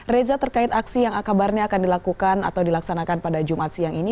reza terkait aksi yang akabarnya akan dilakukan atau dilaksanakan pada jumat siang ini